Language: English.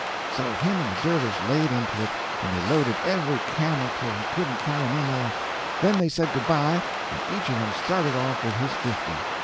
So him and the dervish laid into it, and they loaded every camel till he couldn't carry no more; then they said good bye, and each of them started off with his fifty.